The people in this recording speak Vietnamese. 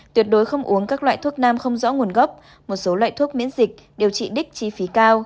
tuyệt đối không uống các loại thuốc nam không rõ nguồn gốc một số loại thuốc miễn dịch điều trị đích chi phí cao